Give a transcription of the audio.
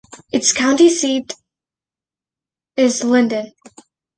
Its county seat is Linden.